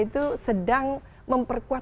itu sedang memperkuat